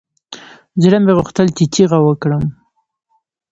زړه مې غوښتل چې چيغه وکړم.